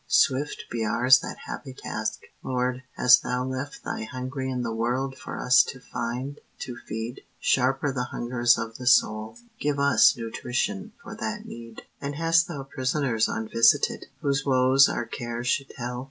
swift Be ours that happy task. Lord, hast Thou left Thy hungry in the world For us to find, to feed? Sharper the hungers of the soul. Give us Nutrition for that need. And hast Thou prisoners unvisited, Whose woes our care should tell?